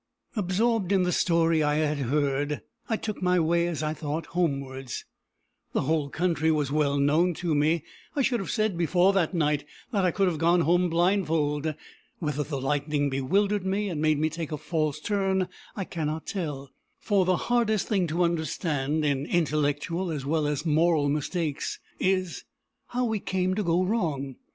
Absorbed in the story I had heard, I took my way, as I thought, homewards. The whole country was well known to me. I should have said, before that night, that I could have gone home blindfold. Whether the lightning bewildered me and made me take a false turn, I cannot tell; for the hardest thing to understand, in intellectual as well as moral mistakes, is how we came to go wrong.